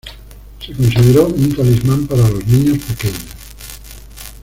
Se consideró un talismán para los niños pequeños.